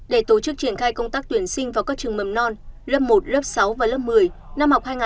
để tổ chức triển khai công tác tuyển sinh vào các trường mầm non lớp một lớp sáu và lớp một mươi